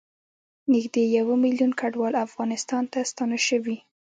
نږدې یوه میلیون کډوال افغانستان ته ستانه شوي